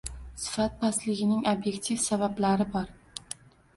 Sifat pastligining ob’ektiv sabablari bor.